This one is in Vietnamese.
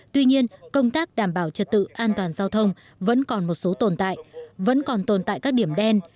tuy nhiên công tác đảm bảo trật tự an toàn giao thông vẫn còn một số tồn tại vẫn còn tồn tại các điểm đen